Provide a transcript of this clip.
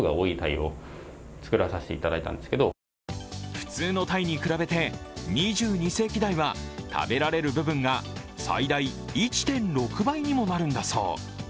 普通の鯛に比べて２２世紀鯛は食べられる部分が最大１．６倍にもなるったそう。